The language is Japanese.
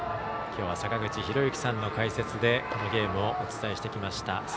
きょうは坂口裕之さんの解説でこの試合をお伝えしてきました。